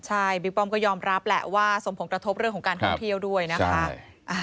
ใช่บิ๊กป้อมก็ยอมรับแหละว่าสมผงกระทบเรื่องของการท่องเที่ยวด้วยนะคะ